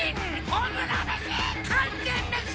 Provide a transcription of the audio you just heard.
炎メシ完全メシ